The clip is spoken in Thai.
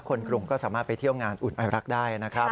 กรุงก็สามารถไปเที่ยวงานอุ่นไอรักษ์ได้นะครับ